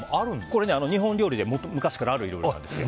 これ日本料理で昔からある料理なんです。